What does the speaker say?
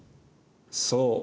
そう。